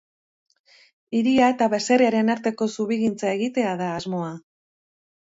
Hiria eta baserriaren arteko zubigintza egitea da asmoa.